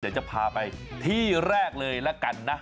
เดี๋ยวจะพาไปที่แรกเลยละกันนะ